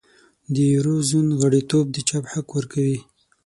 د یورو زون غړیتوب د چاپ حق ورکوي.